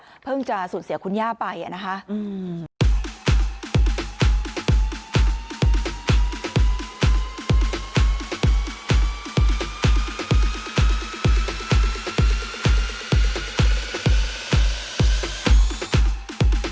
ตอนนี้ก็เพิ่งที่จะสูญเสียคุณย่าไปไม่นาน